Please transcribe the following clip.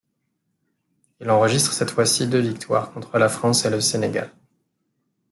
Il enregistre cette fois-ci deux victoires, contre la France et le Sénégal.